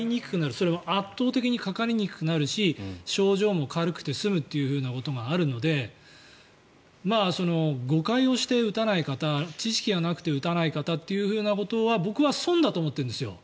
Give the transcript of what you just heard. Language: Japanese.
それは圧倒的にかかりにくくなるし症状も軽くて済むということがあるので誤解をして打たない方知識がなくて打たない方というのは僕は損だと思ってるんですよ。